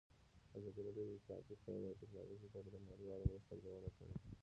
ازادي راډیو د اطلاعاتی تکنالوژي په اړه د نړیوالو مرستو ارزونه کړې.